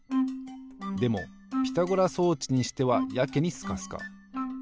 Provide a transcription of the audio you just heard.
でもピタゴラ装置にしてはやけにスカスカ。